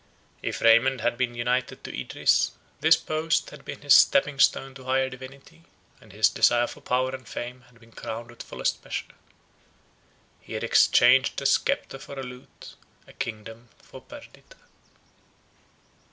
If Raymond had been united to Idris, this post had been his stepping stone to higher dignity; and his desire for power and fame had been crowned with fullest measure. He had exchanged a sceptre for a lute, a kingdom for Perdita.